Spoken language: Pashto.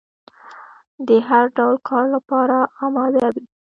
د هر ډول کار لپاره اماده وي.